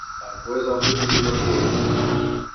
А якое заўтра будзе надвор'е?